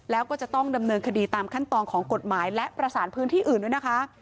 แล้วก็จะต้องดำเนินคดีตามขั้นตอนของกฎหมายและประสานพื้นที่อื่นด้วยนะคะ